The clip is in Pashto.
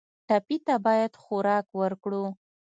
ټپي ته باید خوراک ورکړو.